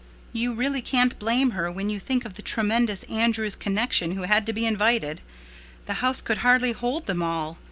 "You really can't blame her when you think of the tremendous Andrews connection who had to be invited. The house could hardly hold them all.